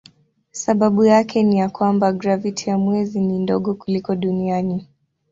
Sababu yake ni ya kwamba graviti ya mwezi ni ndogo kuliko duniani.